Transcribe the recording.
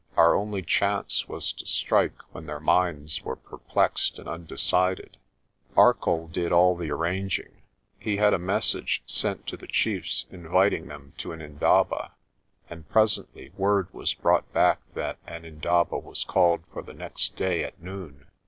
Our only chance was to strike when their minds were perplexed and undecided. Arcoll did all the arranging. He had a message sent to the chiefs inviting them to an indaba, and presently word was brought back that an indaba was called for the next day at noon.